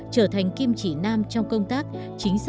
trở thành kim chỉ nam trong công tác